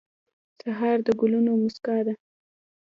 سهار د ګلونو موسکا ده.